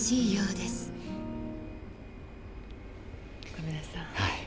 亀梨さん。